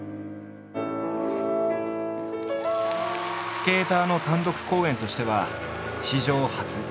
スケーターの単独公演としては史上初。